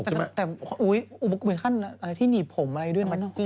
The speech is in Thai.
แต่เหมือนกันที่หนีบผมอะไรด้วย